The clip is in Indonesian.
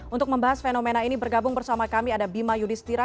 untuk membahas fenomena ini bergabung bersama kami ada bima yudhistira